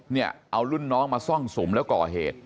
เนี่ยเอารุ่นน้องมาซ่องสุมแล้วก่อเหตุ